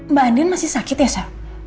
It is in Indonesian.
mbak andien masih sakit ya so